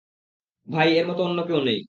ভাই এর মতো অন্য কেউ নেই।